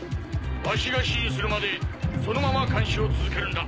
ワシが指示するまでそのまま監視を続けるんだ。